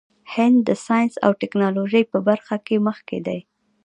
هند د ساینس او ټیکنالوژۍ په برخه کې مخکې دی.